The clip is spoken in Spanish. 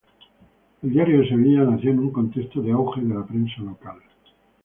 El "Diario de Sevilla" nació en un contexto de auge de la prensa local.